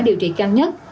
điều trị cao nhất